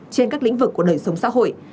trên các lĩnh vực của đời sống xã hội